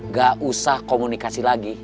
nggak usah komunikasi lagi